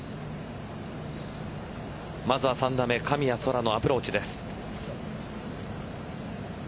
まずは３打目神谷そらのアプローチです。